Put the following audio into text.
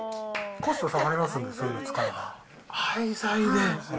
コスト下がりますんで、そういうの使うと。